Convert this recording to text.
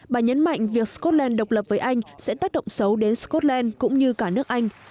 bà nhấn mạnh việc scotland độc lập với anh sẽ tác động xấu đến scotland cũng như cả nước anh